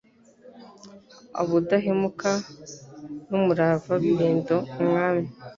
Ubudahemuka n’umurava birinda umwami